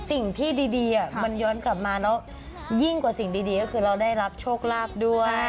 สิ่งที่ดีมันย้อนกลับมาแล้วยิ่งกว่าสิ่งดีก็คือเราได้รับโชคลาภด้วย